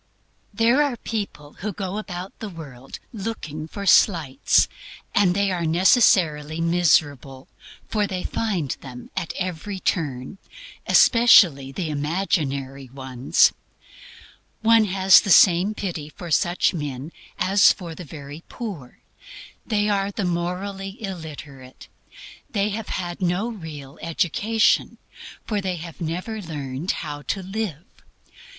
There are people who go about the world looking out for slights, and they are necessarily miserable, for they find them at every turn especially the imaginary ones. One has the same pity for such men as for the very poor. They are the morally illiterate. They have had no real education, for they have never learned HOW TO LIVE.